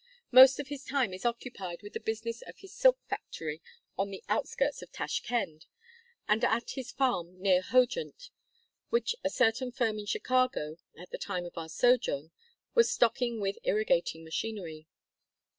Most of his time is occupied with the business of his silk factory on the outskirts of Tashkend, and at his farm near Hodjent, which a certain firm in Chicago, at the time of our sojourn, was stocking with irrigating machinery.